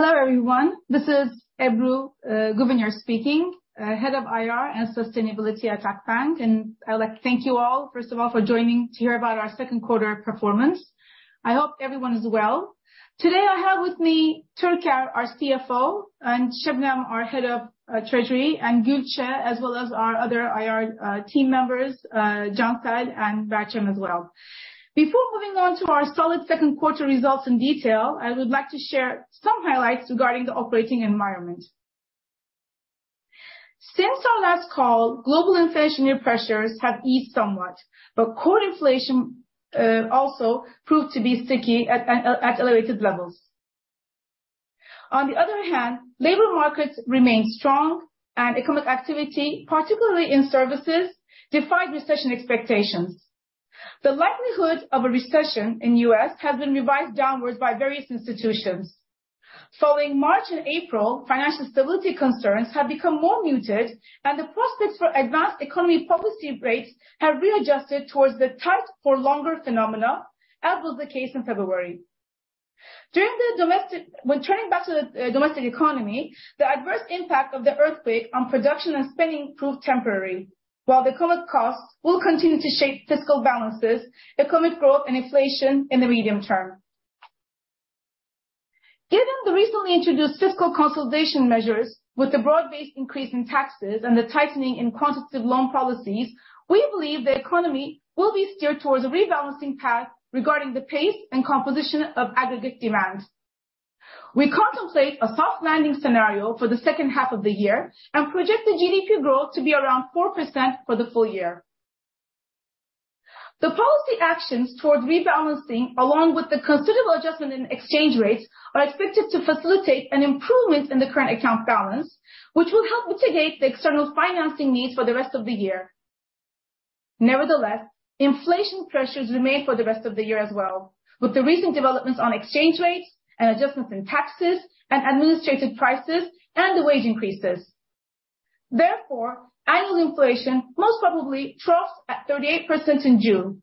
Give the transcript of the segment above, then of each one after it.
Hello, everyone. This is Ebru Guvenir speaking, Head of IR and Sustainability at Akbank. I'd like to thank you all, first of all, for joining to hear about our second quarter performance. I hope everyone is well. Today, I have with me Turker, our CFO, and Şebnem, our head of Treasury, and Gulce, as well as our other IR team members, Cankat and Bahçem as well. Before moving on to our solid second quarter results in detail, I would like to share some highlights regarding the operating environment. Since our last call, global inflationary pressures have eased somewhat, but core inflation also proved to be sticky at elevated levels. On the other hand, labor markets remain strong, and economic activity, particularly in services, defied recession expectations. The likelihood of a recession in U.S. has been revised downwards by various institutions. Following March and April, financial stability concerns have become more muted, and the prospects for advanced economy policy rates have readjusted towards the tight for longer phenomena, as was the case in February. When turning back to the domestic economy, the adverse impact of the earthquake on production and spending proved temporary. While the COVID costs will continue to shape fiscal balances, economic growth, and inflation in the medium term. Given the recently introduced fiscal consolidation measures with the broad-based increase in taxes and the tightening in quantitative loan policies, we believe the economy will be steered towards a rebalancing path regarding the pace and composition of aggregate demand. We contemplate a soft landing scenario for the second half of the year and project the GDP growth to be around 4% for the full year. The policy actions towards rebalancing, along with the considerable adjustment in exchange rates, are expected to facilitate an improvement in the current account balance, which will help mitigate the external financing needs for the rest of the year. Nevertheless, inflation pressures remain for the rest of the year as well, with the recent developments on exchange rates and adjustments in taxes and administrative prices and the wage increases. Therefore, annual inflation most probably troughs at 38% in June.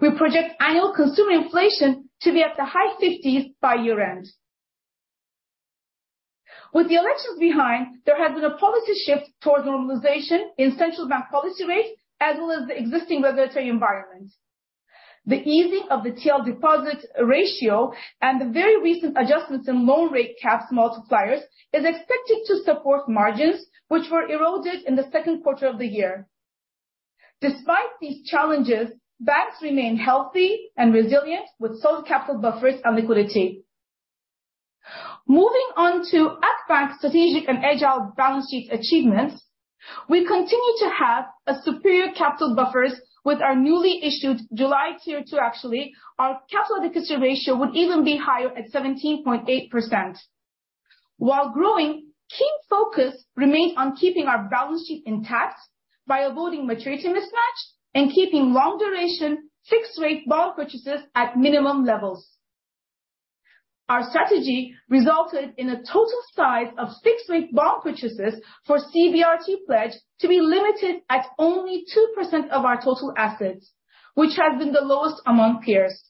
We project annual consumer inflation to be at the high 50s by year-end. With the elections behind, there has been a policy shift towards normalization in central bank policy rates, as well as the existing regulatory environment. The easing of the TL deposit ratio and the very recent adjustments in loan rate caps multipliers is expected to support margins, which were eroded in the second quarter of the year. Despite these challenges, banks remain healthy and resilient with solid capital buffers and liquidity. Moving on to Akbank's strategic and agile balance sheet achievements. We continue to have a superior capital buffers with our newly issued July Tier 2 actually, our capital adequacy ratio would even be higher at 17.8%. While growing, key focus remained on keeping our balance sheet intact by avoiding maturity mismatch and keeping long duration, fixed rate bond purchases at minimum levels. Our strategy resulted in a total size of fixed rate bond purchases for CBRT pledge to be limited at only 2% of our total assets, which has been the lowest among peers.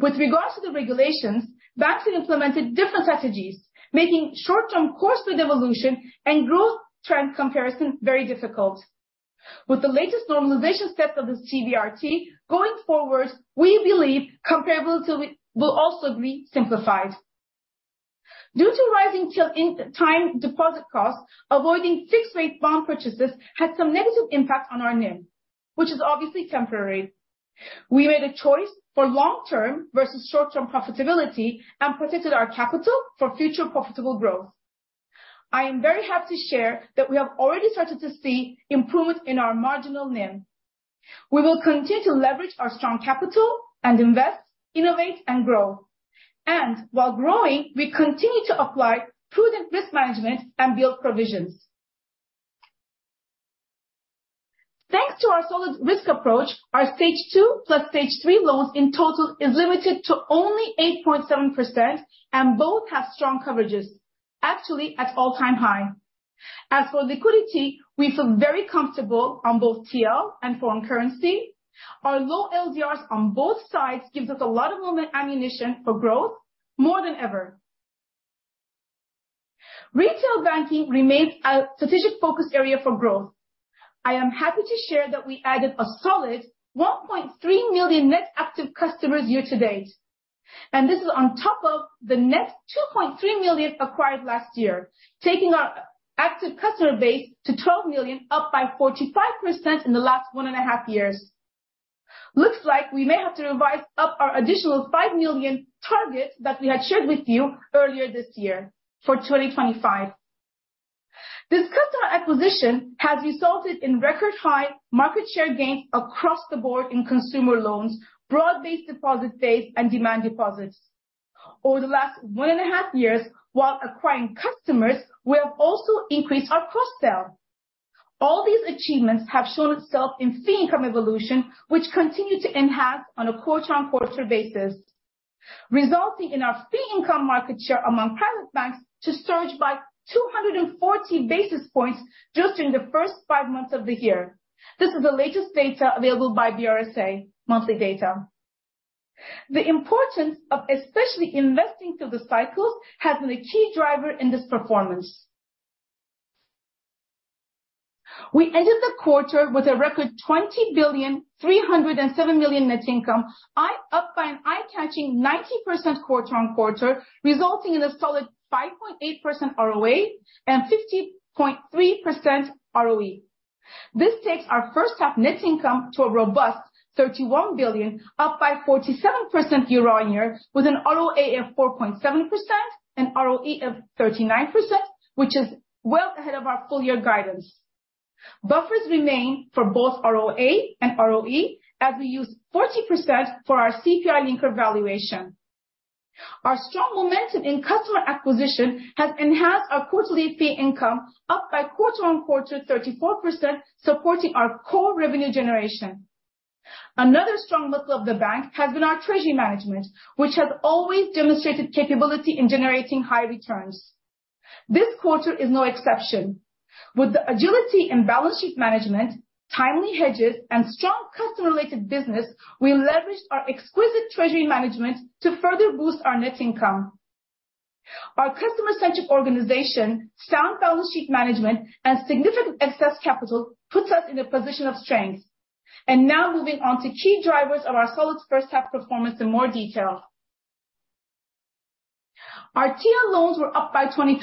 Regards to the regulations, banks have implemented different strategies, making short-term cost with evolution and growth trend comparison very difficult. With the latest normalization steps of this CBRT, going forward, we believe comparability will also be simplified. Due to rising TL in time deposit costs, avoiding fixed rate bond purchases had some negative impact on our NIM, which is obviously temporary. We made a choice for long-term versus short-term profitability and protected our capital for future profitable growth. I am very happy to share that we have already started to see improvement in our marginal NIM. While growing, we continue to apply prudent risk management and build provisions. Thanks to our solid risk approach, our Stage 2 plus Stage three loans in total is limited to only 8.7%, and both have strong coverages, actually, at all-time high. As for liquidity, we feel very comfortable on both TL and foreign currency. Our low LDRs on both sides gives us a lot of ammunition for growth more than ever. Retail banking remains a strategic focus area for growth. I am happy to share that we added a solid $1.3 million net active customers year to date. This is on top of the net $2.3 million acquired last year, taking our active customer base to $12 million, up by 45% in the last one and a half years. Looks like we may have to revise up our additional $5 million target that we had shared with you earlier this year for 2025. This customer acquisition has resulted in record high market share gains across the board in consumer loans, broad-based deposit base, and demand deposits. Over the last one and a half years, while acquiring customers, we have also increased our cross-sell. All these achievements have shown itself in fee income evolution, which continue to enhance on a quarter-on-quarter basis, resulting in our fee income market share among private banks to surge by 240 basis points just in the first five months of the year. This is the latest data available by BRSA, monthly data. The importance of especially investing through the cycles has been a key driver in this performance. We ended the quarter with a record 20 billion 307 million net income, up by an eye-catching 90% quarter-on-quarter, resulting in a solid 5.8% ROA and 50.3% ROE. This takes our first half net income to a robust 31 billion, up by 47% year-on-year, with an ROA of 4.7% and ROE of 39%, which is well ahead of our full year guidance. Buffers remain for both ROA and ROE, as we use 40% for our CPI linker valuation. Our strong momentum in customer acquisition has enhanced our quarterly fee income, up by quarter-on-quarter 34%, supporting our core revenue generation. Another strong muscle of the bank has been our treasury management, which has always demonstrated capability in generating high returns. This quarter is no exception. With the agility and balance sheet management, timely hedges, and strong customer-related business, we leveraged our exquisite treasury management to further boost our net income. Our customer-centric organization, sound balance sheet management, and significant excess capital, puts us in a position of strength. Now moving on to key drivers of our solid first half performance in more detail. Our TL loans were up by 23%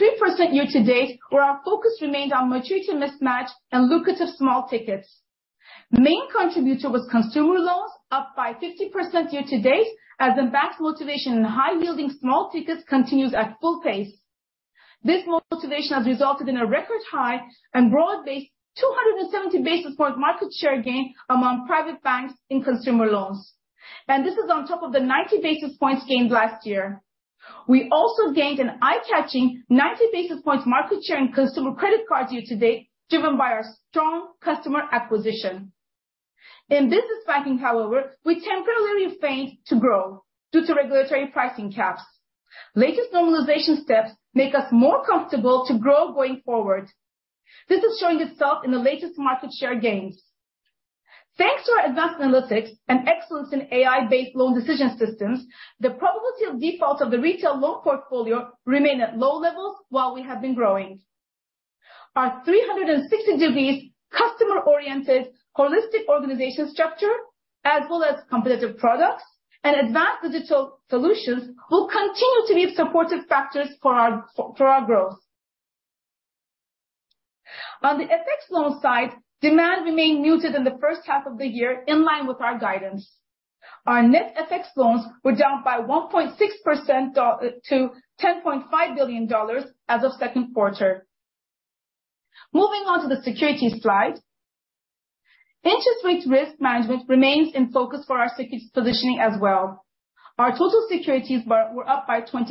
year to date, where our focus remained on maturity mismatch and lucrative small tickets. The main contributor was consumer loans, up by 50% year to date, as the bank's motivation in high-yielding small tickets continues at full pace. This motivation has resulted in a record high and broad-based 270 basis point market share gain among private banks in consumer loans. This is on top of the 90 basis points gained last year. We also gained an eye-catching 90 basis points market share in consumer credit cards year to date, driven by our strong customer acquisition. In business banking, however, we temporarily failed to grow due to regulatory pricing caps. Latest normalization steps make us more comfortable to grow going forward. This is showing itself in the latest market share gains. Thanks to our advanced analytics and excellence in AI-based loan decision systems, the probability of default of the retail loan portfolio remain at low levels while we have been growing. Our 360 degrees customer-oriented, holistic organizational structure, as well as competitive products and advanced digital solutions, will continue to be supportive factors for our growth. On the FX loan side, demand remained muted in the first half of the year, in line with our guidance. Our net FX loans were down by 1.6% to $10.5 billion as of second quarter. Moving on to the securities slide. Interest rate risk management remains in focus for our securities positioning as well. Our total securities were up by 25%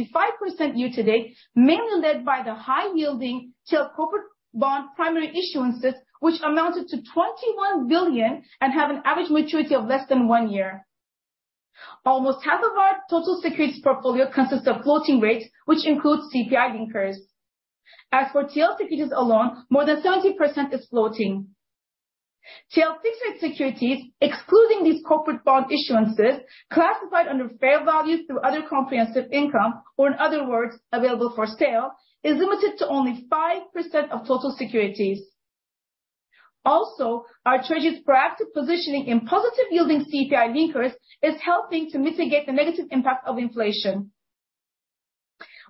year to date, mainly led by the high-yielding TL corporate bond primary issuances, which amounted to 21 billion and have an average maturity of less than 1 year. Almost half of our total securities portfolio consists of floating rates, which includes CPI linkers. As for TL securities alone, more than 70% is floating. TL fixed rate securities, excluding these corporate bond issuances, classified under fair value through other comprehensive income, or in other words, available for sale, is limited to only 5% of total securities. Also, our treasury's proactive positioning in positive-yielding CPI linkers is helping to mitigate the negative impact of inflation.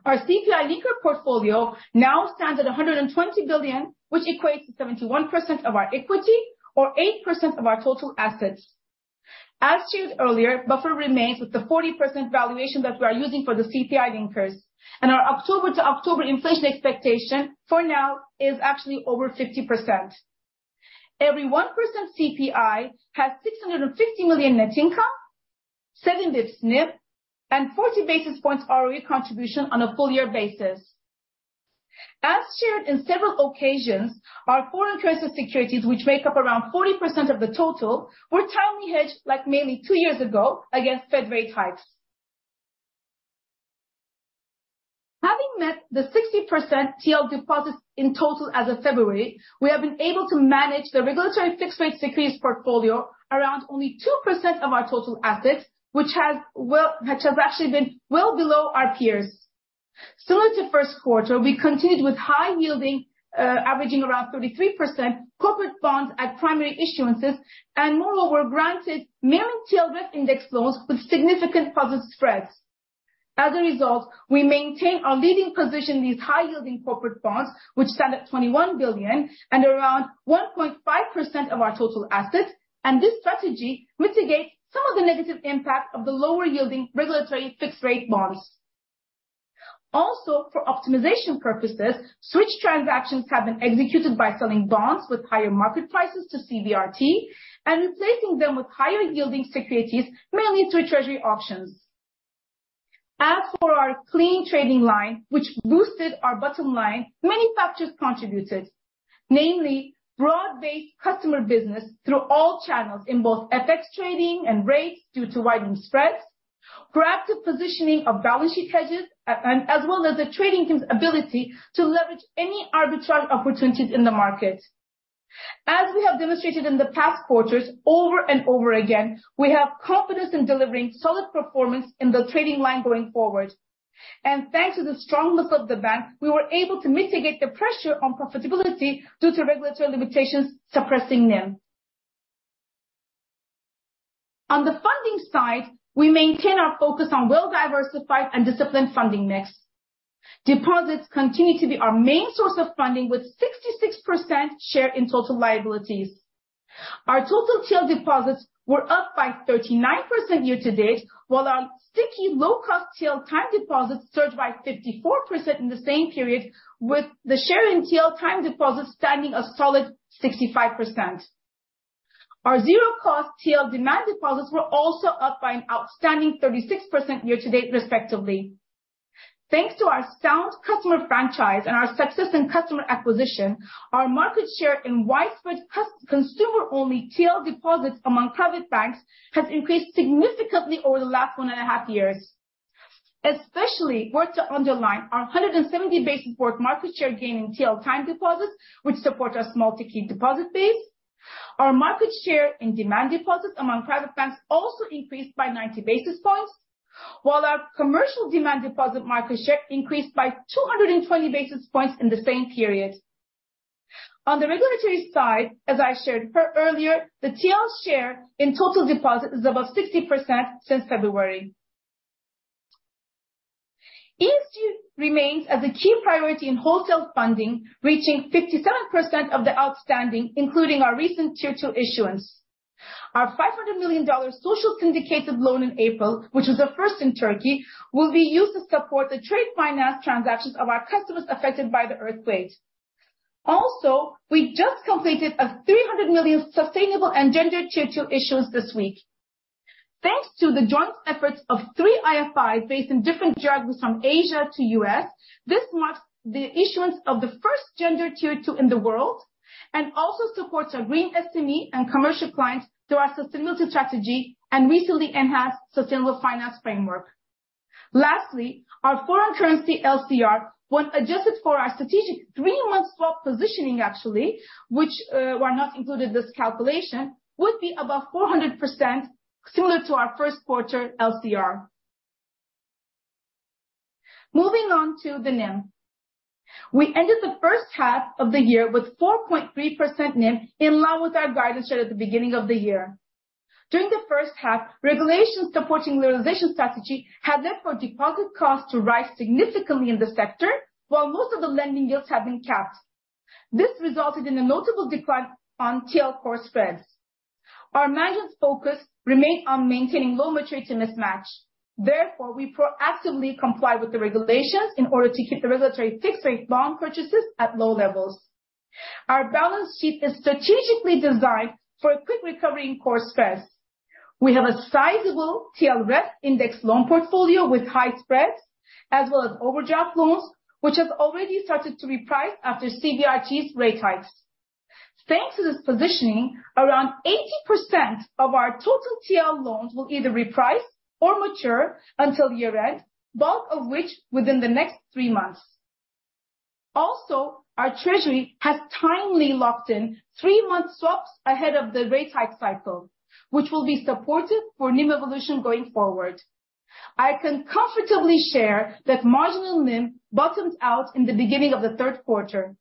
Our CPI linker portfolio now stands at 120 billion, which equates to 71% of our equity or 8% of our total assets. As shared earlier, buffer remains with the 40% valuation that we are using for the CPI linkers, and our October to October inflation expectation, for now, is actually over 50%. Every 1% CPI has 650 million net income, 7 basis points NII, and 40 basis points ROE contribution on a full year basis. As shared in several occasions, our foreign currency securities, which make up around 40% of the total, were timely hedged, like mainly 2 years ago, against Fed rate hikes. Having met the 60% TL deposits in total as of February, we have been able to manage the regulatory fixed rate securities portfolio around only 2% of our total assets, which has actually been well below our peers. Similar to first quarter, we continued with high yielding, averaging around 33% corporate bonds at primary issuances, and moreover, granted mainly TL-linked index loans with significant positive spreads. As a result, we maintain our leading position in these high-yielding corporate bonds, which stand at 21 billion and around 1.5% of our total assets, and this strategy mitigates some of the negative impact of the lower-yielding regulatory fixed rate bonds. For optimization purposes, switch transactions have been executed by selling bonds with higher market prices to CBRT and replacing them with higher-yielding securities, mainly through treasury auctions. As for our clean trading line, which boosted our bottom line, many factors contributed. Namely, broad-based customer business through all channels in both FX trading and rates due to widened spreads, proactive positioning of balance sheet hedges, as well as the trading team's ability to leverage any arbitrage opportunities in the market. As we have demonstrated in the past quarters, over and over again, we have confidence in delivering solid performance in the trading line going forward. Thanks to the strong looks of the bank, we were able to mitigate the pressure on profitability due to regulatory limitations suppressing NIM. On the funding side, we maintain our focus on well-diversified and disciplined funding mix. Deposits continue to be our main source of funding, with 66% share in total liabilities. Our total TL deposits were up by 39% year-to-date, while our sticky low-cost TL time deposits surged by 54% in the same period, with the share in TL time deposits standing a solid 65%. Our zero-cost TL demand deposits were also up by an outstanding 36% year-to-date, respectively. Thanks to our sound customer franchise and our success in customer acquisition, our market share in widespread consumer-only TL deposits among private banks has increased significantly over the last one and a half years. Especially, worth to underline, our 170 basis point market share gain in TL time deposits, which support our small to key deposit base. Our market share in demand deposits among private banks also increased by 90 basis points, while our commercial demand deposit market share increased by 220 basis points in the same period. On the regulatory side, as I shared earlier, the TL share in total deposits is about 60% since February. ESG remains as a key priority in wholesale funding, reaching 57% of the outstanding, including our recent Tier 2 issuance. Our $500 million social syndicated loan in April, which is a first in Turkey, will be used to support the trade finance transactions of our customers affected by the earthquake. We just completed a $300 million sustainable and Gender Tier-two issuance this week. Thanks to the joint efforts of three IFIs based in different jurisdictions from Asia to U.S., this marks the issuance of the first Gender Tier-2 in the world, and also supports our green SME and commercial clients through our sustainability strategy and recently enhanced Sustainable Finance Framework. Our foreign currency LCR, when adjusted for our strategic three-month swap positioning, actually, which were not included in this calculation, would be above 400%, similar to our first quarter LCR. Moving on to the NIM. We ended the first half of the year with 4.3% NIM, in line with our guidance set at the beginning of the year. During the first half, regulations supporting liberalization strategy have led for deposit costs to rise significantly in the sector, while most of the lending yields have been capped. This resulted in a notable decline on TL core spreads. Our management's focus remained on maintaining low maturity mismatch. We proactively comply with the regulations in order to keep the regulatory fixed-rate bond purchases at low levels. Our balance sheet is strategically designed for a quick recovery in core spreads. We have a sizable TLREF-indexed loan portfolio with high spreads, as well as overdraft loans, which has already started to reprice after CBRT's rate hikes. Thanks to this positioning, around 80% of our total TL loans will either reprice or mature until year-end, both of which within the next 3 months. Our treasury has timely locked in three-month swaps ahead of the rate hike cycle, which will be supportive for NIM evolution going forward. I can comfortably share that marginal NIM bottomed out in the beginning of the 3rd quarter,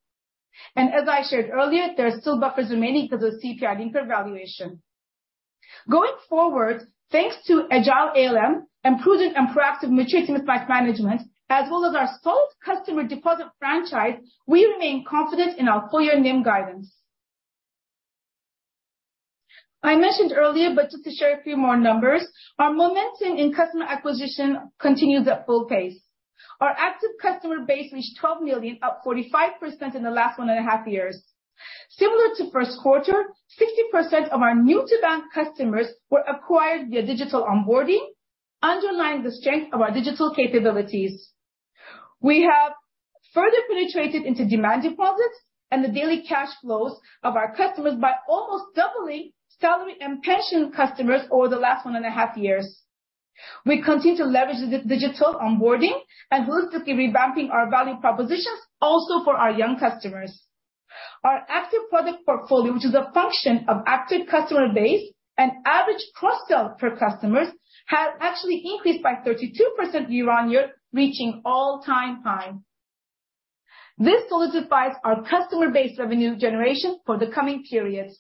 and as I shared earlier, there are still buffers remaining because of CPI and inflation valuation. Going forward, thanks to agile ALM, improving and proactive maturity mismatch management, as well as our solid customer deposit franchise, we remain confident in our full-year NIM guidance. I mentioned earlier, but just to share a few more numbers, our momentum in customer acquisition continues at full pace. Our active customer base reached 12 million, up 45% in the last 1.5 years. Similar to first quarter, 60% of our new-to-bank customers were acquired via digital onboarding, underlying the strength of our digital capabilities. We have further penetrated into demand deposits and the daily cash flows of our customers by almost doubling salary and pension customers over the last 1.5 years. We continue to leverage digital onboarding and holistically revamping our value propositions also for our young customers. Our active product portfolio, which is a function of active customer base and average cross-sell per customers, has actually increased by 32% year-on-year, reaching all-time high. This solidifies our customer base revenue generation for the coming periods.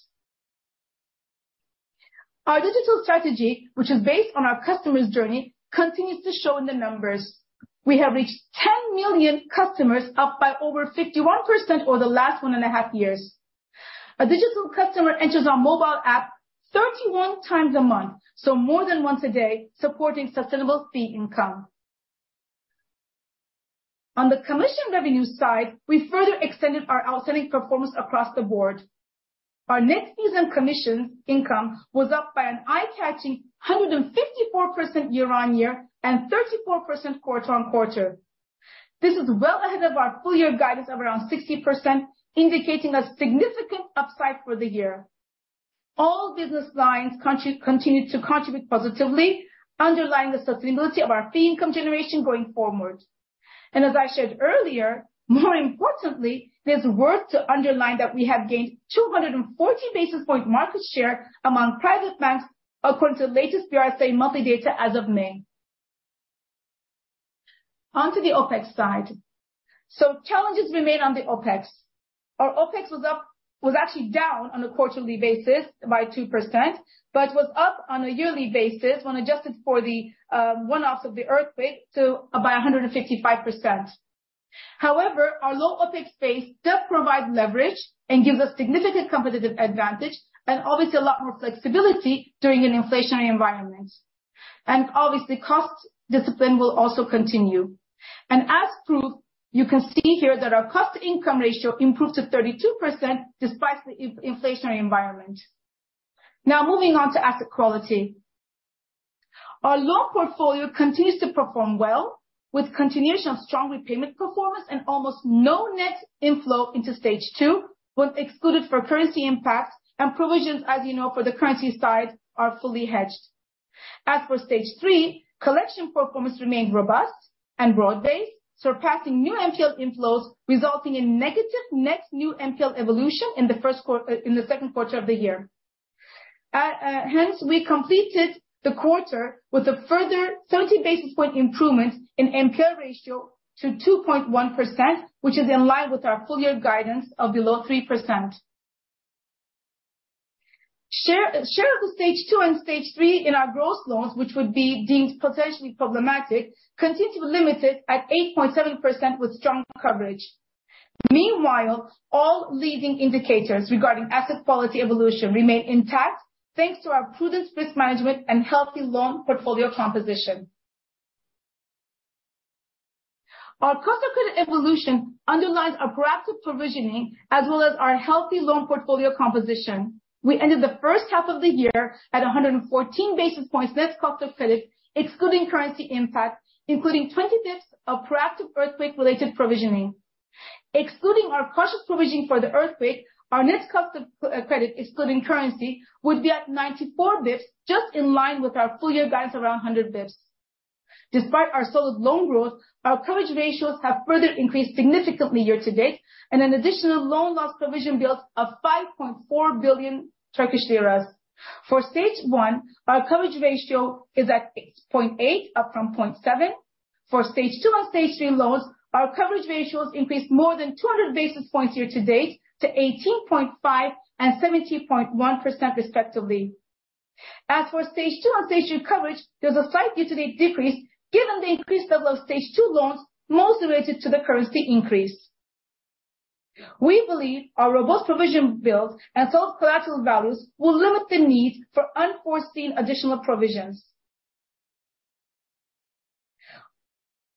Our digital strategy, which is based on our customer's journey, continues to show in the numbers. We have reached 10 million customers, up by over 51% over the last one and a half years. A digital customer enters our mobile app 31x a month, so more than once a day, supporting sustainable fee income. On the commission revenue side, we further extended our outstanding performance across the board. Our net fees and commission income was up by an eye-catching 154% year-over-year, and 34% quarter-over-quarter. This is well ahead of our full year guidance of around 60%, indicating a significant upside for the year.... All business lines continue to contribute positively, underlying the sustainability of our fee income generation going forward. As I shared earlier, more importantly, it is worth to underline that we have gained 240 basis point market share among private banks, according to the latest BRSA monthly data as of May. On to the OpEx side. Challenges remain on the OpEx. Our OpEx was actually down on a quarterly basis by 2%, but was up on a yearly basis when adjusted for the one-offs of the earthquake to about 155%. However, our low OpEx base does provide leverage and gives us significant competitive advantage and obviously a lot more flexibility during an inflationary environment. Obviously, cost discipline will also continue. As proof, you can see here that our cost-income ratio improved to 32% despite the inflationary environment. Moving on to asset quality. Our loan portfolio continues to perform well, with continuation of strong repayment performance and almost no net inflow into Stage 2, when excluded for currency impacts and provisions, as you know, for the currency side, are fully hedged. As for Stage 3, collection performance remained robust and broad-based, surpassing new NPL inflows, resulting in negative net new NPL evolution in the first quarter, in the second quarter of the year. Hence, we completed the quarter with a further 30 basis point improvement in NPL ratio to 2.1%, which is in line with our full year guidance of below 3%. Share of the Stage 2 and Stage 3 in our gross loans, which would be deemed potentially problematic, continue to be limited at 8.7% with strong coverage. Meanwhile, all leading indicators regarding asset quality evolution remain intact, thanks to our prudent risk management and healthy loan portfolio composition. Our cost of credit evolution underlines our proactive provisioning, as well as our healthy loan portfolio composition. We ended the first half of the year at 114 basis points net cost of credit, excluding currency impact, including 20 basis points of proactive earthquake-related provisioning. Excluding our cautious provisioning for the earthquake, our net cost of credit, excluding currency, would be at 94 basis points, just in line with our full year guidance, around 100 basis points. Despite our solid loan growth, our coverage ratios have further increased significantly year to date, and an additional loan loss provision build of 5.4 billion Turkish lira. For Stage one, our coverage ratio is at 0.8, up from 0.7. For Stage 2 and Stage 3 loans, our coverage ratios increased more than 200 basis points year-to-date, to 18.5 and 70.1%, respectively. As for Stage 2 and Stage 3 coverage, there's a slight year-to-date decrease, given the increased level of Stage 2 loans, mostly related to the currency increase. We believe our robust provision build and solid collateral values will limit the need for unforeseen additional provisions.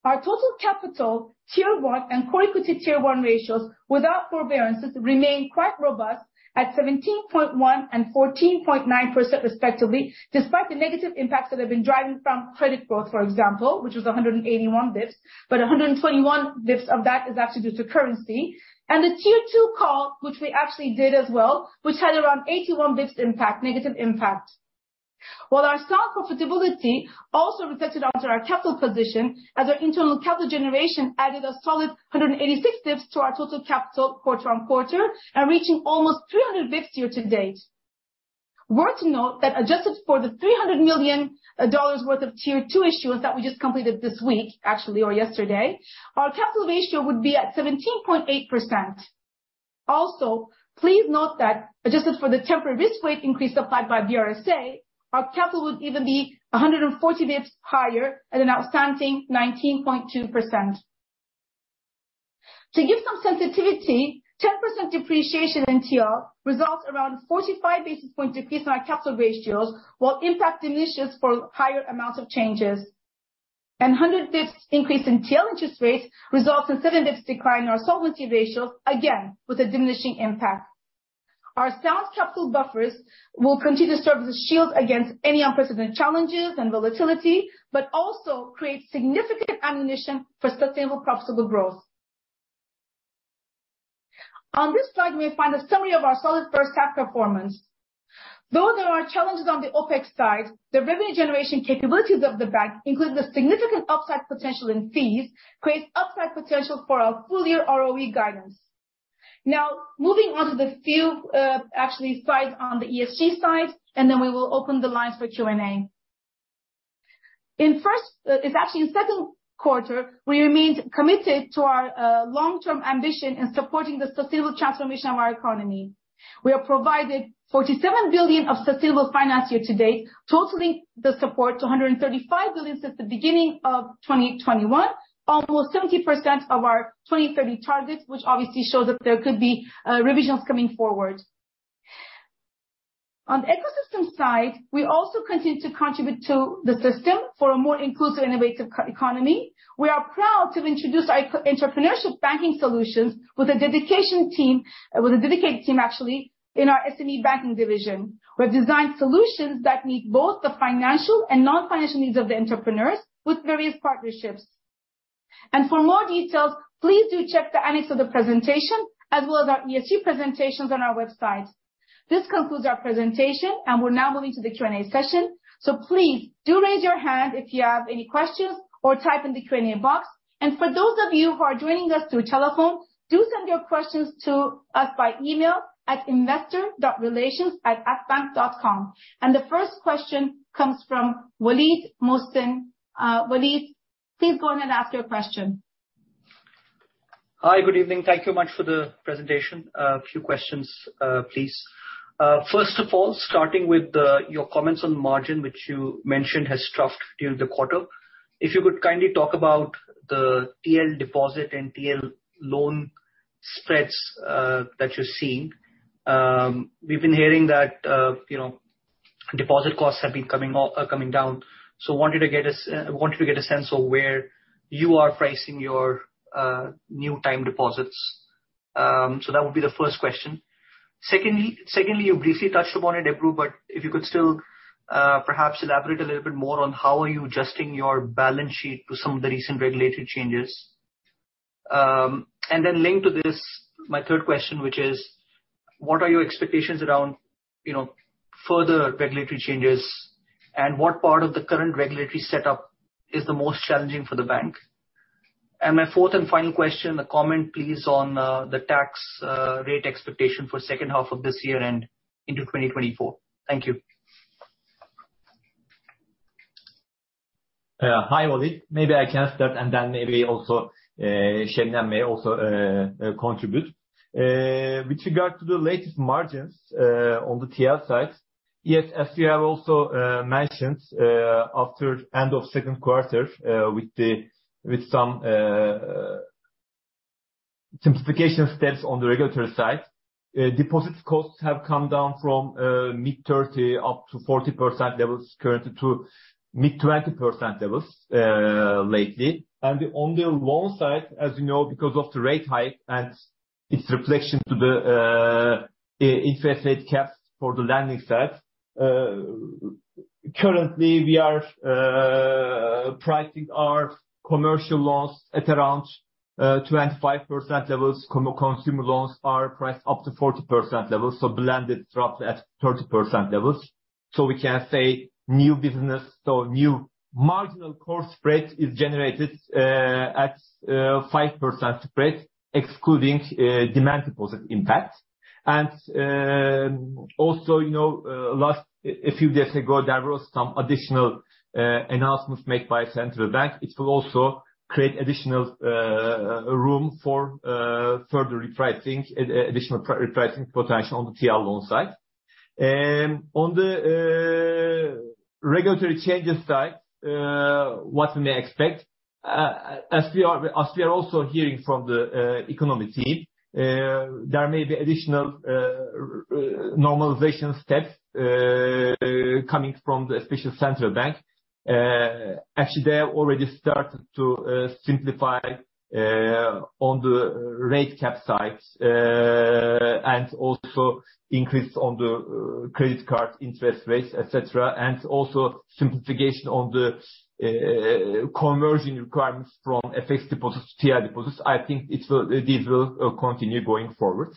Our total capital, Tier one and Common Equity Tier 1 ratios without forbearances remain quite robust at 17.1 and 14.9%, respectively, despite the negative impacts that have been driving from credit growth, for example, which was 181 bps, but 121 bps of that is actually due to currency. The Tier 2 call, which we actually did as well, which had around 81 basis points impact, negative impact. While our strong profitability also reflected onto our capital position, as our internal capital generation added a solid 186 basis points to our total capital quarter-on-quarter and reaching almost 300 basis points year-to-date. Worth to note that adjusted for the $300 million worth of Tier 2 issuance that we just completed this week, actually, or yesterday, our capital ratio would be at 17.8%. Also, please note that adjusted for the temporary risk weight increase applied by BRSA, our capital would even be 140 basis points higher at an outstanding 19.2%. To give some sensitivity, 10% depreciation in TL results around 45 basis point decrease in our capital ratios, while impacting issues for higher amounts of changes. 100 bps increase in TL interest rates results in 7 bps decline in our solvency ratio, again, with a diminishing impact. Our sound capital buffers will continue to serve as a shield against any unprecedented challenges and volatility, but also create significant ammunition for sustainable profitable growth. On this slide, we find a summary of our solid first half performance. Though there are challenges on the OpEx side, the revenue generation capabilities of the bank, including the significant upside potential in fees, creates upside potential for our full year ROE guidance. Now, moving on to the few, actually, slides on the ESG side, and then we will open the lines for Q&A. In first, it's actually in second quarter, we remained committed to our long-term ambition in supporting the sustainable transformation of our economy. We have provided 47 billion of sustainable finance year to date, totaling the support to 135 billion since the beginning of 2021. Almost 70% of our 2030 targets, which obviously shows that there could be revisions coming forward. On the ecosystem side, we also continue to contribute to the system for a more inclusive, innovative economy. We are proud to introduce our co- entrepreneurship banking solutions with a dedicated team, actually, in our SME banking division. We've designed solutions that meet both the financial and non-financial needs of the entrepreneurs with various partnerships. For more details, please do check the annex of the presentation as well as our ESG presentations on our website. This concludes our presentation, we're now moving to the Q&A session. Please do raise your hand if you have any questions or type in the Q&A box. For those of you who are joining us through telephone, do send your questions to us by email at investor.relations@akbank.com. The first question comes from Waleed Mohsin. Waleed, please go ahead and ask your question. Hi, good evening. Thank you much for the presentation. A few questions, please. First of all, starting with your comments on margin, which you mentioned has dropped during the quarter. If you could kindly talk about the TL deposit and TL loan spreads that you're seeing. We've been hearing that, you know, deposit costs have been coming up, coming down, so wanted to get a sense of where you are pricing your new time deposits. So that would be the first question. Secondly, you briefly touched upon it, Ebru, but if you could still perhaps elaborate a little bit more on how are you adjusting your balance sheet to some of the recent regulatory changes. Then linked to this, my third question, which is: What are your expectations around, you know, further regulatory changes, and what part of the current regulatory setup is the most challenging for the bank? My fourth and final question, a comment, please, on the tax rate expectation for second half of this year and into 2024. Thank you. Hi, Waleed. Maybe I can start, then maybe also Şebnem may also contribute. With regard to the latest margins on the TL side, yes, as we have also mentioned, after end of second quarter, with some simplification steps on the regulatory side, deposits costs have come down from mid-30 up to 40% levels currently to mid-20% levels lately. On the loan side, as you know, because of the rate hike and its reflection to the interest rate caps for the lending side, currently we are pricing our commercial loans at around 25% levels. Consumer loans are priced up to 40% levels, blended drops at 30% levels. We can say new business or new marginal core spread is generated at 5% spread, excluding demand deposit impact. Also, you know, last, a few days ago, there was some additional announcements made by Central Bank. It will also create additional room for further repricing, additional repricing potential on the TL loan side. On the regulatory changes side, what we may expect, as we are also hearing from the economy team, there may be additional normalization steps coming from the special Central Bank. Actually, they have already started to simplify on the rate cap side, and also increase on the credit card interest rates, et cetera, and also simplification on the conversion requirements from FX deposits to TL deposits. I think this will continue going forward.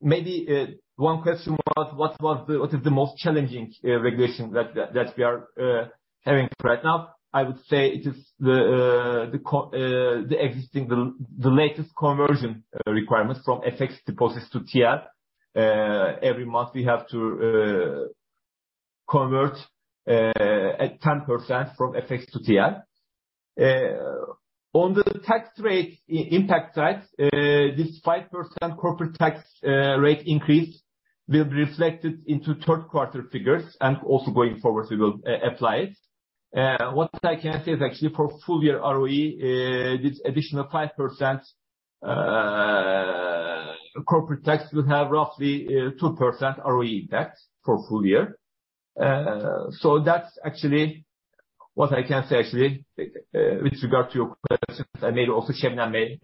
Maybe one question was: what is the most challenging regulation that we are having right now? I would say it is the existing, the latest conversion requirements from FX deposits to TL. Every month we have to convert at 10% from FX to TL. On the tax rate impact side, this 5% corporate tax rate increase will be reflected into third quarter figures, also going forward, we will apply it. What I can say is actually for full year ROE, this additional 5% corporate tax will have roughly 2% ROE impact for full year. That's actually what I can say, actually, with regard to your questions, and maybe also Şebnem may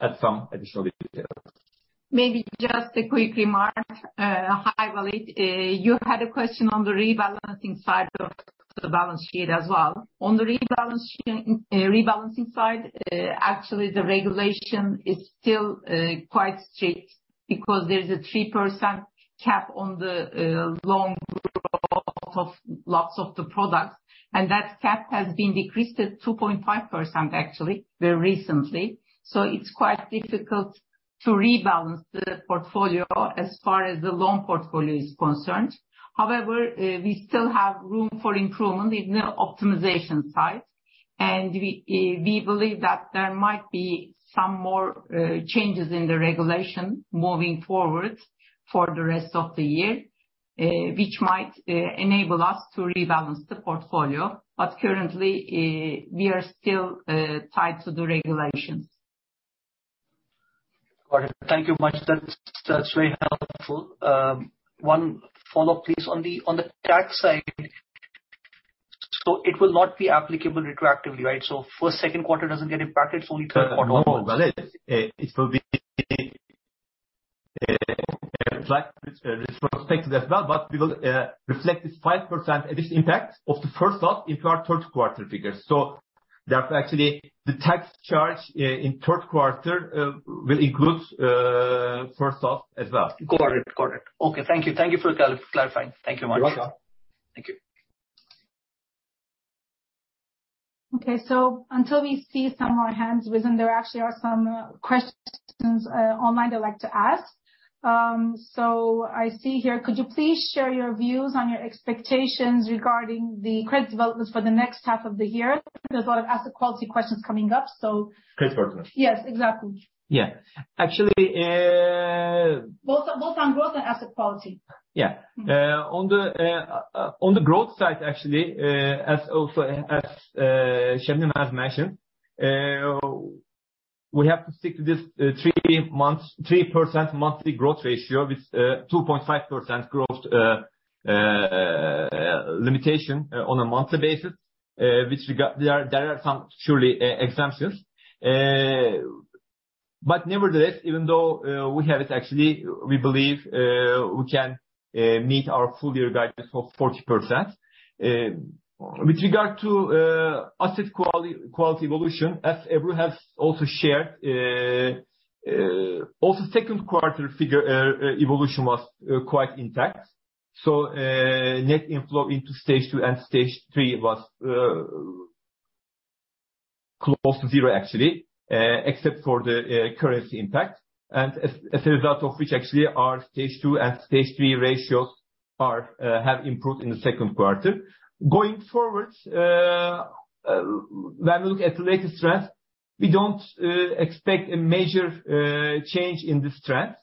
add some additional details. Maybe just a quick remark. Hi, Waleed. You had a question on the rebalancing side of the balance sheet as well. On the rebalancing side, actually, the regulation is still quite strict because there's a 3% cap on the loan growth of lots of the products, and that cap has been decreased to 2.5%, actually, very recently. So it's quite difficult to rebalance the portfolio as far as the loan portfolio is concerned. However, we still have room for improvement in the optimization side, and we believe that there might be some more changes in the regulation moving forward for the rest of the year, which might enable us to rebalance the portfolio. Currently, we are still tied to the regulations. Got it. Thank you much. That's very helpful. One follow-up, please. On the tax side, it will not be applicable retroactively, right? For second quarter, it doesn't get impacted. [inaudible] No, Waleed, it will like, it's retrospective as well, but we will reflect this 5%, this impact of the first half into our third quarter figures. That actually, the tax charge in third quarter will include first half as well. [inaudible] Correct. Correct. Okay, thank you. Thank you for clarifying. Thank you much. You're welcome. Thank you. Until we see some more hands risen, there actually are some questions online I'd like to ask. I see here, could you please share your views on your expectations regarding the credit developments for the next half of the year? There's a lot of asset quality questions coming up. Credit partners. Yes, exactly. Yeah. Actually. Both on growth and asset quality. Yeah. Mm. On the growth side, actually, as also as Şebnem has mentioned, we have to stick to this 3% monthly growth ratio with 2.5% growth limitation on a monthly basis, which regard there are some surely exemptions. Nevertheless, even though we have it actually, we believe we can meet our full year guidance of 40%. With regard to asset quality evolution, as Ebru has also shared, also second quarter figure evolution was quite intact. Net inflow into Stage 2 and Stage 3 was close to 0, actually, except for the currency impact, and as a result of which, actually, our Stage 2 and Stage 3 ratios have improved in the second quarter. Going forward, when we look at the latest trend, we don't expect a major change in this trend.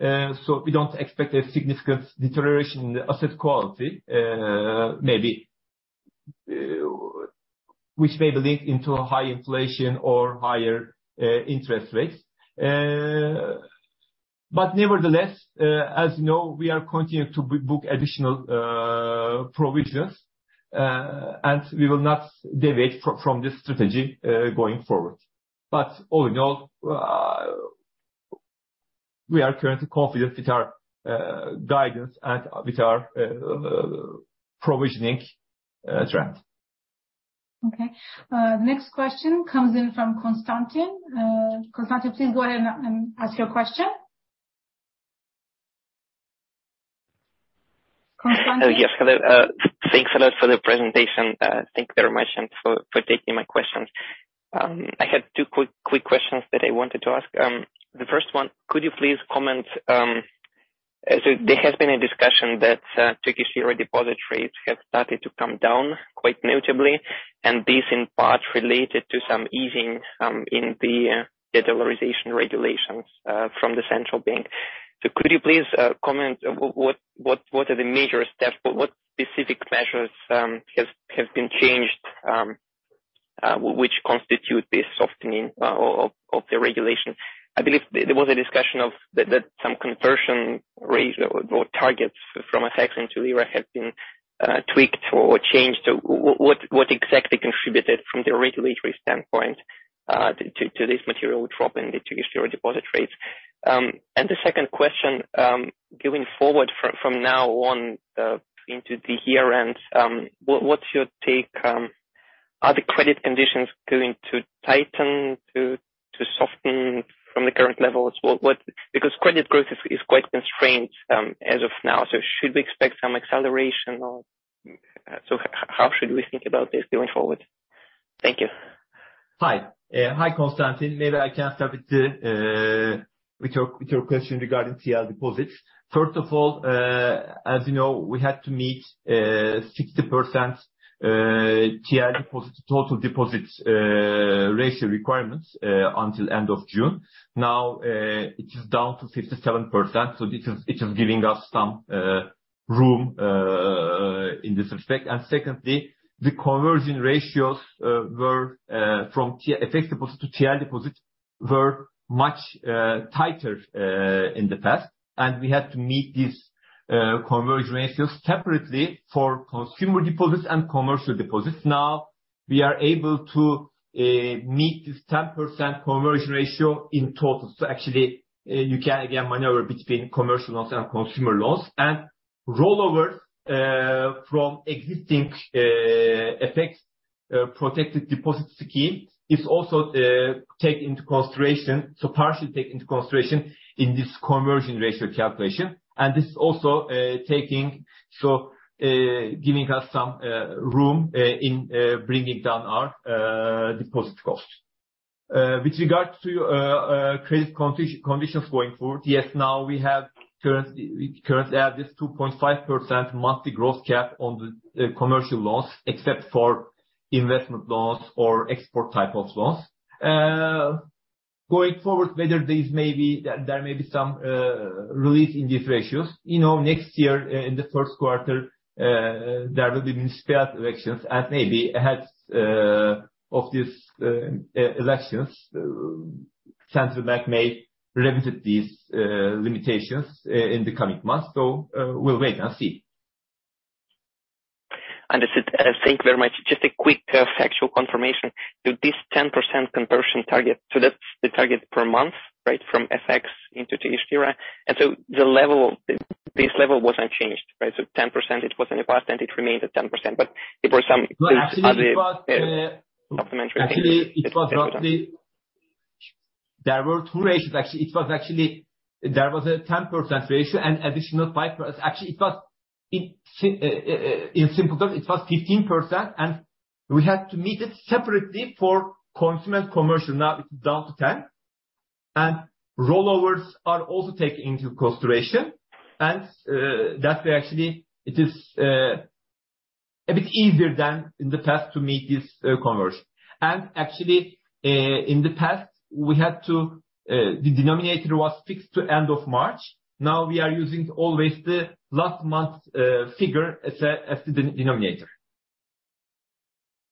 We don't expect a significant deterioration in the asset quality, maybe which may be linked into a high inflation or higher interest rates. Nevertheless, as you know, we are continuing to book additional provisions, and we will not deviate from this strategy going forward. All in all, we are currently confident with our guidance and with our provisioning trend. Next question comes in from Konstantin. Konstantin, please go ahead and ask your question. Konstantin? Yes. Hello. Thanks a lot for the presentation. Thank you very much and for taking my questions. I had two quick questions that I wanted to ask. The first one, could you please comment. There has been a discussion that Turkish lira deposit rates have started to come down quite notably, and this in part related to some easing in the de-dollarization regulations from the central bank. Could you please comment what are the major steps or what specific measures have been changed, which constitute this softening of the regulation? I believe there was a discussion of that some conversion rates or targets from FX into Lira have been tweaked or changed. What, what exactly contributed from the regulatory standpoint, to, this material drop in the Turkish lira deposit rates? The second question, going forward from now on, into the year end, what's your take, are the credit conditions going to tighten, to soften from the current levels? What, what? Because credit growth is quite constrained, as of now, so should we expect some acceleration or, how should we think about this going forward? Thank you. Hi, Konstantin. Maybe I can start with your question regarding TL deposits. First of all, as you know, we had to meet 60% TL deposit, total deposits, ratio requirements until end of June. Now, it is down to 57%, so it is giving us some room in this respect. Secondly, the conversion ratios were from TL effectables to TL deposits, were much tighter in the past, and we had to meet these conversion ratios separately for consumer deposits and commercial deposits. Now, we are able to meet this 10% conversion ratio in total. Actually, you can again maneuver between commercial loans and consumer loans. Rollover from existing FX protected deposit scheme is also take into consideration, so partially take into consideration in this conversion ratio calculation, and this is also taking, so, giving us some room in bringing down our deposit cost. With regards to credit conditions going forward, yes, now we currently have this 2.5% monthly growth cap on the commercial loans, except for investment loans or export type of loans. Going forward, whether these may be, there may be some relief in these ratios, you know, next year, in the first quarter, there will be municipal elections, and maybe ahead of these elections, central bank may revisit these limitations in the coming months. We'll wait and see. This is, thank you very much. Just a quick, factual confirmation. Do this 10% conversion target, so that's the target per month, right? From FX into the Turkish lira. The level of this level was unchanged, right? 10% it was in the past, and it remained at 10%, there were some- Well, actually, it was. Supplementary. Actually, it was roughly. There were two ratios, actually. It was actually, there was a 10% ratio and additional 5%. Actually, in simple terms, it was 15%, and we had to meet it separately for consumer commercial. Now, it's down to 10, and rollovers are also taken into consideration. That way, actually, it is a bit easier than in the past to meet this conversion. Actually, in the past, we had to, the denominator was fixed to end of March. Now we are using always the last month's figure as the denominator.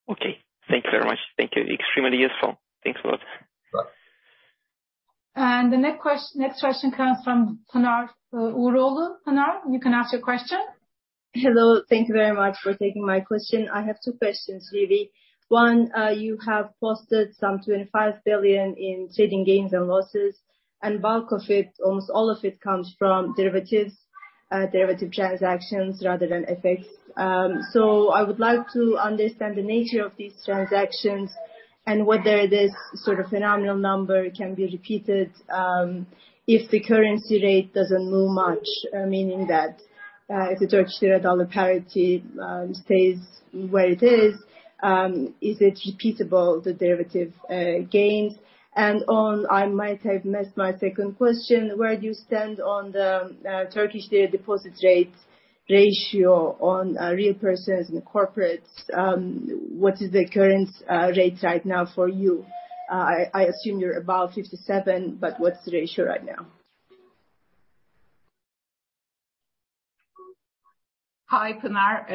Okay, thank you very much. Thank you. Extremely useful. Thanks a lot. Sure. The next question comes from Pinar Ugurlu. Pinar, you can ask your question. Hello. Thank you very much for taking my question. I have 2 questions, really. One, you have posted some 25 billion in trading gains and losses, and bulk of it, almost all of it, comes from derivatives, derivative transactions rather than FX. I would like to understand the nature of these transactions and whether this sort of phenomenal number can be repeated, if the currency rate doesn't move much, meaning that, if the Turkish lira dollar parity stays where it is it repeatable, the derivative gains? I might have missed my second question: Where do you stand on the Turkish lira deposit rate ratio on real persons and corporates? What is the current rate right now for you? I assume you're about 57%, but what's the ratio right now? Hi, Pinar.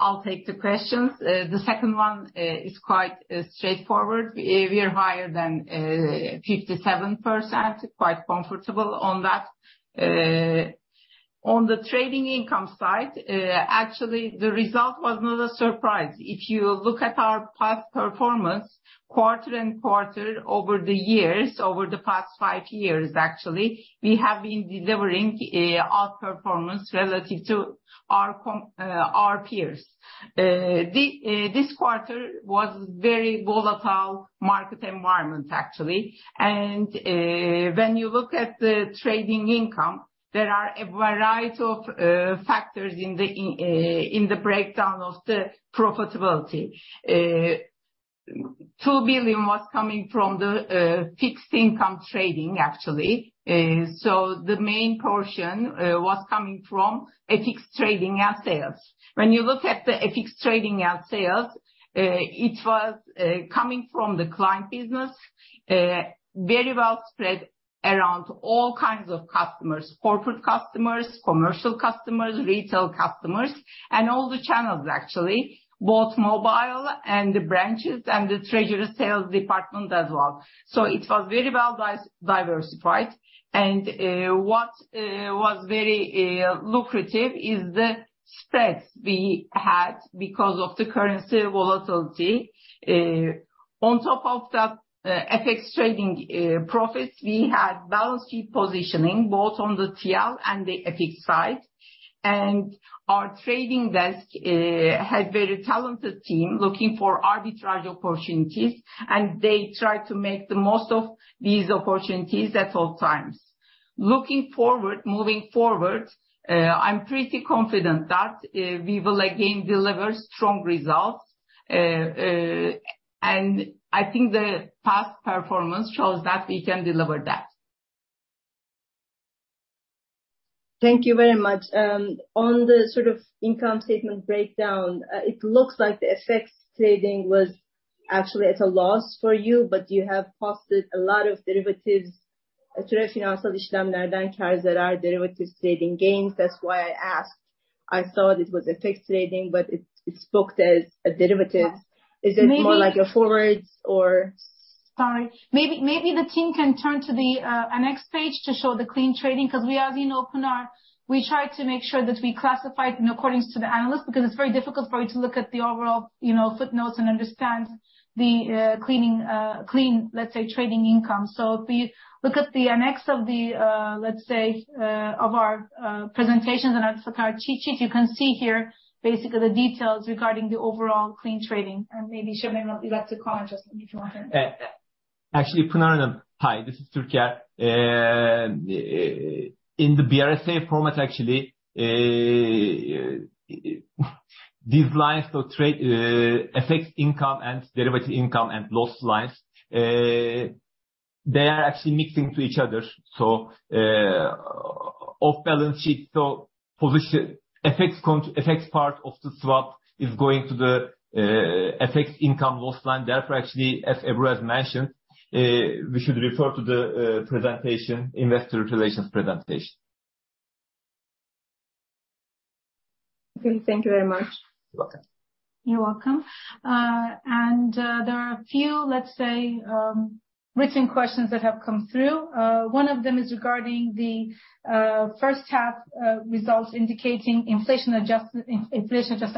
I'll take the questions. The second one is quite straightforward. We are higher than 57%, quite comfortable on that. On the trading income side, actually, the result was not a surprise. If you look at our past performance, quarter-over-quarter, over the years, over the past 5 years, actually, we have been delivering our performance relative to our peers. This quarter was very volatile market environment, actually. When you look at the trading income, there are a variety of factors in the breakdown of the profitability. 2 billion was coming from the fixed income trading, actually. The main portion was coming from FX trading and sales. When you look at the FX trading and sales, it was coming from the client business, very well spread around all kinds of customers: corporate customers, commercial customers, retail customers, and all the channels, actually, both mobile and the branches and the treasury sales department as well. It was very well diversified. What was very lucrative is the spreads we had because of the currency volatility. On top of that, FX trading profits, we had balance sheet positioning both on the TL and the FX side. Our trading desk had very talented team looking for arbitrage opportunities, and they try to make the most of these opportunities at all times. Looking forward, moving forward, I'm pretty confident that we will again deliver strong results. I think the past performance shows that we can deliver that. Thank you very much. On the sort of income statement breakdown, it looks like the FX trading was actually at a loss for you, but you have posted a lot of derivatives, that are derivative trading gains. That's why I asked. I thought it was FX trading, but it's booked as a derivative. Maybe- Is it more like a forwards or? Sorry. Maybe the team can turn to the next page to show the clean trading, because we, as you know, Pinar, we try to make sure that we classify it in accordance to the analyst, because it's very difficult for you to look at the overall, you know, footnotes and understand the cleaning, clean, let's say, trading income. If you look at the annex of the let's say, of our presentations and our cheat sheet, you can see here basically the details regarding the overall clean trading. Maybe, Şaban, you'd like to comment just if you want to. Actually, Pinar, hi, this is Turker. In the BRSA format, actually, these lines of trade, affects income and derivative income and loss lines. They are actually mixing to each other. Off balance sheet, FX part of the swap is going to the FX income loss line. Therefore, actually, as Ebru has mentioned, we should refer to the presentation, investor relations presentation. Okay. Thank you very much. You're welcome. You're welcome. There are a few, let's say.... written questions that have come through. One of them is regarding the first half results indicating inflation-adjusted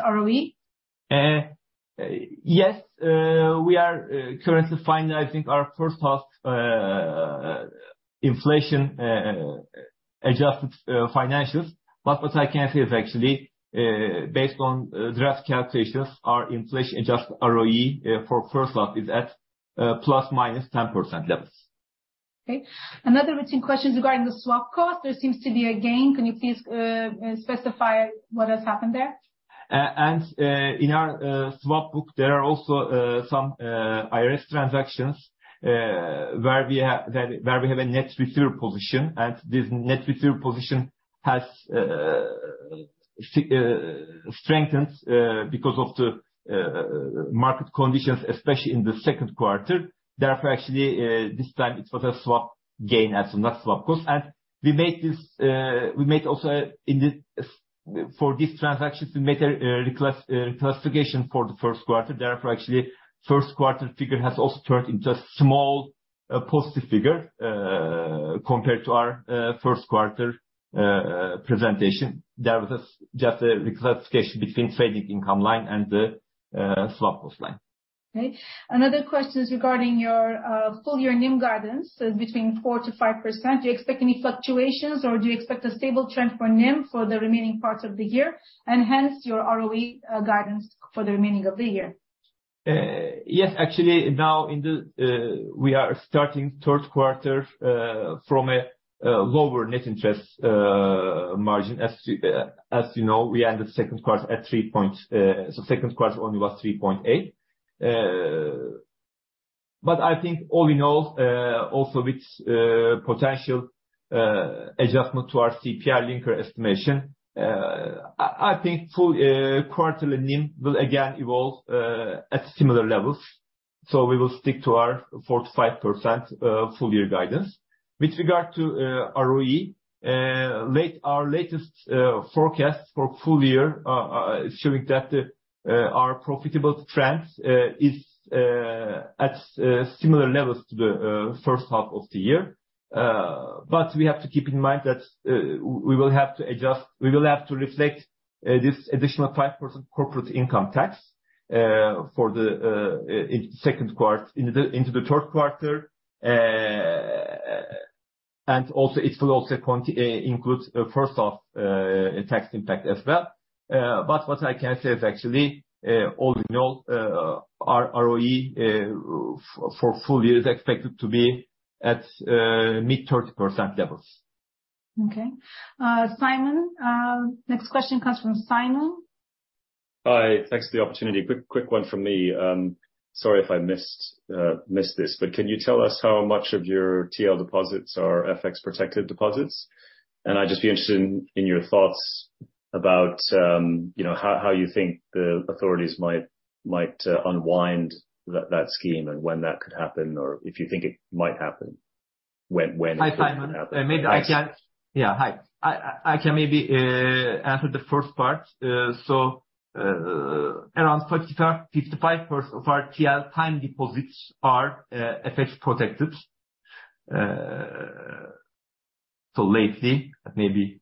ROE. yes, we are currently finalizing our first half inflation adjusted financials. What I can say is actually, based on draft calculations, our inflation-adjusted ROE for first half is at ±10% levels. Okay. Another written question is regarding the swap cost. There seems to be a gain. Can you please specify what has happened there? In our swap book, there are also some IRS transactions where we have a net reserve position, and this net reserve position has strengthened because of the market conditions, especially in the second quarter. Therefore, actually, this time it was a swap gain as well, not swap cost. We made this, we made also for these transactions, we made a reclassification for the first quarter. Therefore, actually, first quarter figure has also turned into a small positive figure compared to our first quarter presentation. That was just a reclassification between trading income line and the swap cost line. Okay. Another question is regarding your full year NIM guidance, so between 4%-5%. Do you expect any fluctuations, or do you expect a stable trend for NIM for the remaining parts of the year, and hence your ROE guidance for the remaining of the year? Yes. Actually, now in the, we are starting third quarter, from a lower net interest margin. As you know, we ended second quarter at 3. So second quarter only was 3.8. But I think all in all, also with potential adjustment to our CPI linker estimation, I think full quarterly NIM will again evolve at similar levels. So we will stick to our 4%-5% full year guidance. With regard to ROE, our latest forecast for full year showing that our profitable trend is at similar levels to the first half of the year. We have to keep in mind that we will have to reflect this additional 5% corporate income tax for the second quarter into the third quarter. Also, it will also include a first off tax impact as well. What I can say is actually, all in all, our ROE for full year is expected to be at mid 30% levels. Okay. Simon, next question comes from Simon. Hi, thanks for the opportunity. Quick one from me. Sorry if I missed this, but can you tell us how much of your TL deposits are FX protected deposits? I'd just be interested in your thoughts about, you know, how you think the authorities might unwind that scheme, and when that could happen, or if you think it might happen, when it might happen. Hi, Simon. Yeah, hi. I can maybe answer the first part. Around 55% of our TL time deposits are FX protected. Lately, maybe.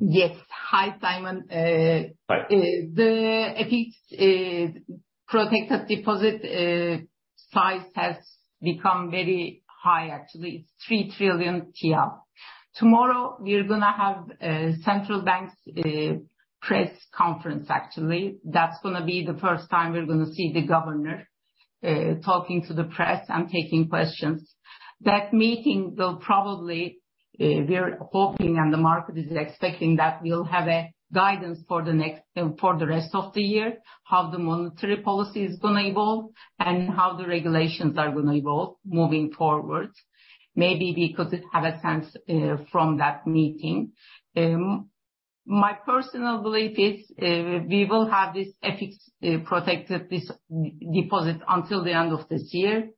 Yes. Hi, Simon, Hi. The FX protected deposit size has become very high. Actually, it's 3 trillion TL. Tomorrow, we are gonna have Central Bank's press conference, actually. That's gonna be the first time we're gonna see the Governor talking to the press and taking questions. That meeting will probably, we're hoping and the market is expecting, that we'll have a guidance for the next for the rest of the year, how the monetary policy is gonna evolve and how the regulations are gonna evolve moving forward. Maybe we could have a sense from that meeting. My personal belief is, we will have this FX protected deposit until the end of this year,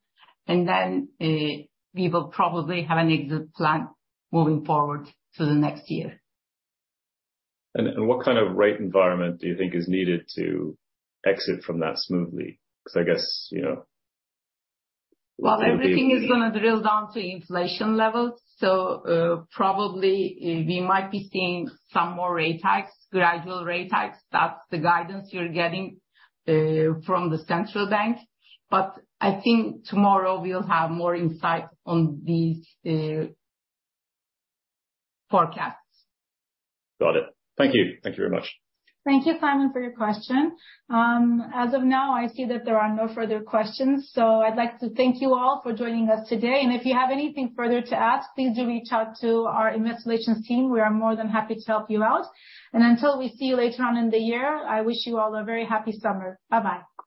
and then we will probably have an exit plan moving forward to the next year. What kind of rate environment do you think is needed to exit from that smoothly? Because I guess, you know... Everything is gonna drill down to inflation levels. Probably, we might be seeing some more rate hikes, gradual rate hikes. That's the guidance we're getting, from the Central Bank. I think tomorrow we'll have more insight on these, forecasts. Got it. Thank you. Thank you very much. Thank you, Simon, for your question. As of now, I see that there are no further questions. I'd like to thank you all for joining us today, and if you have anything further to ask, please do reach out to our investigations team. We are more than happy to help you out. Until we see you later on in the year, I wish you all a very happy summer. Bye-bye.